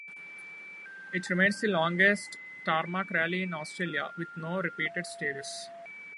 It remains the longest tarmac rally in Australia with no repeated stages.